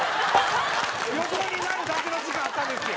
横になるだけの時間あったんですよ。